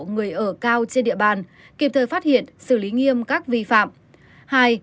người ở cao trên địa bàn kịp thời phát hiện xử lý nghiêm các vi phạm